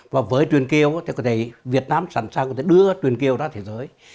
và với truyền kiều thì có thể việt nam sẵn sàng đưa truyền kiều ra thế giới